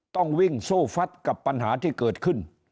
ต้องวิ่งสู้ฟัดกับปัญหาที่เกิดขึ้น